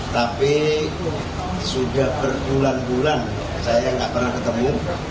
tapi sudah berbulan bulan saya nggak pernah ketemu